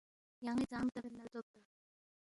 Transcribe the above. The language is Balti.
یان٘ی ژام ردبید نہ ردوب تا